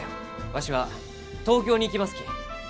わしは東京に行きますき。